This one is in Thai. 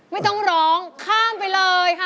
ไม่ต้องร้องข้ามไปเลยค่ะ